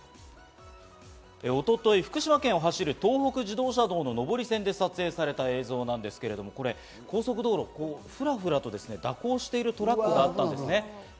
一昨日、福島県を走る東北自動車道の上り線で撮影された映像なんですけれども、高速道路をふらふらと蛇行しているトラックがあったんです。